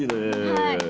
はい。